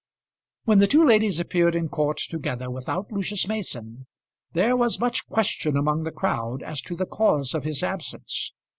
When the two ladies appeared in court together without Lucius Mason there was much question among the crowd as to the cause of his absence.